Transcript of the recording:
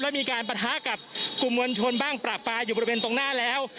แล้วมีการปะทะกับกลุ่มมวลชนบ้างประปาอยู่บริเวณตรงหน้าแล้ว